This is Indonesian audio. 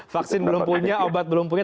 vaksin belum punya obat belum punya